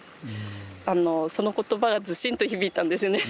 あのその言葉がズシンと響いたんですね。